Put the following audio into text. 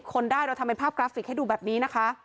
คนได้เราทำเป็นภาพกราฟิกให้ดูแบบนี้นะคะ